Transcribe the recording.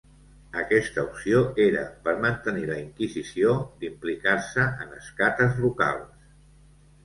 Aquesta opció era per mantenir la inquisició d'implicar-se en escates locals.